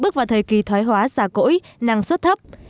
bước vào thời kỳ thoái hóa xà cỗi năng suất thấp